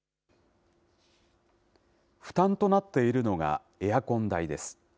負担となっているのがエアコン代です。